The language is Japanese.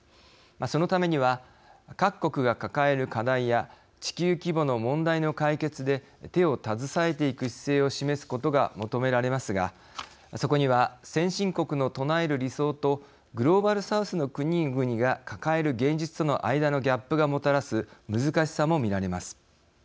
そのためには各国が抱える課題や地球規模の問題の解決で手を携えていく姿勢を示すことが求められますがそこには先進国の唱える理想とグローバル・サウスの国々が抱える現実との間のギャップがもたらす難しさも見られます。